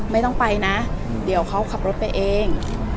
ไม่ต้องไปนะเดี๋ยวเขาขับรถไปเอง